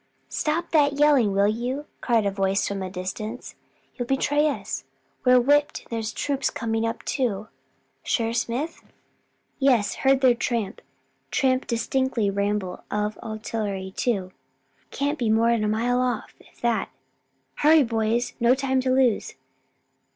"Stop that yelling, will you!" cried a voice from a little distance, "you'll betray us. We're whipped, and there's troops coming up too." "Sure, Smith?" "Yes, heard their tramp, tramp distinctly ramble of artillery too. Can't be more'n a mile off, if that. Hurry, boys, no time to lose!